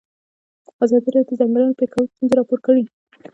ازادي راډیو د د ځنګلونو پرېکول ستونزې راپور کړي.